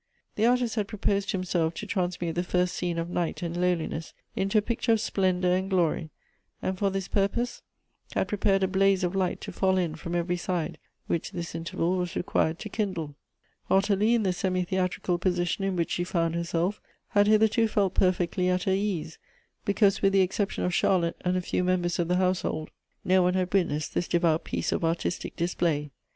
The artist had proposed to himself to transmute the first scene of night and lowliness into a picture of splendor and glory; and for this purpose had l)rei)ared a blaze of light to fill in from every side, which this interval was required to kindle. Ottilie, in the semi theatrical position in which she found herself, had hitherto felt perfectly at her ease, be cause with the exception of Charlotte and a few members of the household, no one had witnessed this devout piece of artistic display.